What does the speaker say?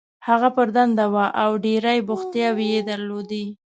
هغه پر دنده وه او ډېرې بوختیاوې یې درلودې.